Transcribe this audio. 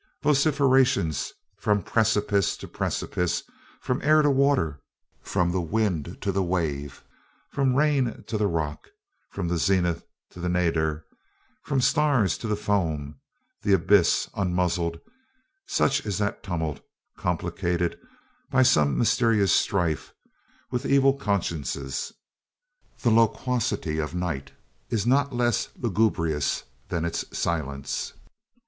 Vociferations from precipice to precipice, from air to water, from the wind to the wave, from the rain to the rock, from the zenith to the nadir, from the stars to the foam the abyss unmuzzled such is that tumult, complicated by some mysterious strife with evil consciences. The loquacity of night is not less lugubrious than its silence.